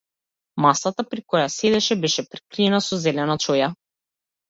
Масата при која седеше беше прекриена со зелена чоја.